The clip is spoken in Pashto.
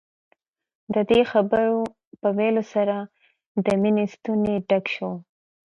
د دې خبرو په ويلو سره د مينې ستونی ډک شو.